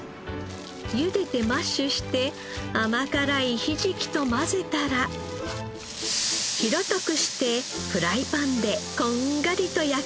ゆでてマッシュして甘辛いひじきと混ぜたら平たくしてフライパンでこんがりと焼きます。